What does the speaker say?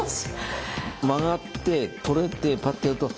曲がって取れてパッてやると。